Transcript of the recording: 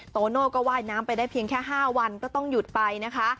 โตโน่ก็ว่ายน้ำไปได้เพียงแค่๕วันก็ต้องหยุดไปนะคะ